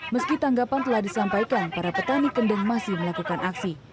meski tanggapan telah disampaikan para petani kendeng masih melakukan aksi